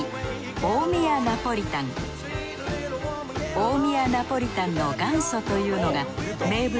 大宮ナポリタンの元祖というのが名物